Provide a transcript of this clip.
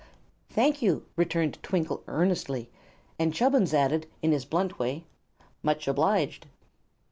"Thank you," returned Twinkle, earnestly; and Chubbins added, in his blunt way: "Much obliged."